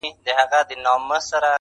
ځکه زه ور باندې هسې عندلیب یم